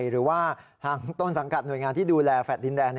หรือว่าทางต้นสังกัดหน่วยงานที่ดูแลแฟลต์ดินแดน